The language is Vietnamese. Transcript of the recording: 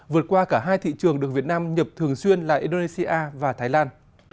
vượt qua cả hai thị trường được việt nam nhập thường xuyên là indonesia và thái lan